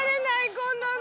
こんなの。